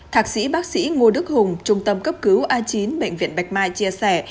thạc sĩ bác sĩ ngô đức hùng trung tâm cấp cứu a chín bệnh viện bạch mai chia sẻ